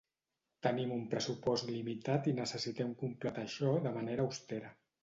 Tenim un pressupost limitat i necessitem completar això de manera austera.